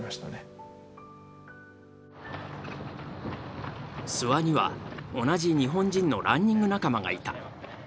諏訪には同じ日本人のランニング仲間がいた。